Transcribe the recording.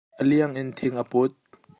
A liang in thing a put.